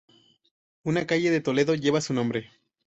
Una calle de Toledo lleva su nombre.